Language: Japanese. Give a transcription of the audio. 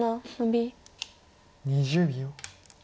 ２０秒。